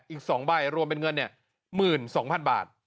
อีก๒ใบรวมเป็นเงิน๑๒๐๐๐บาท